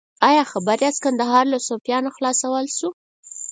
ایا خبر یاست کندهار له صفویانو خلاصول شو؟